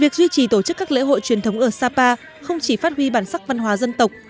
việc duy trì tổ chức các lễ hội truyền thống ở sapa không chỉ phát huy bản sắc văn hóa dân tộc